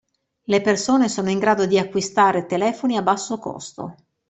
Le persone sono in grado di acquistare telefoni a basso costo.